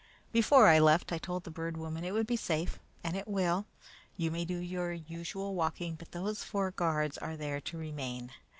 Before I left, I told the Bird Woman it would be safe; and it will. You may do your usual walking, but those four guards are there to remain.